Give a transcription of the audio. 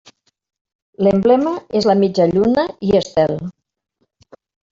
L'emblema és la mitja lluna i estel.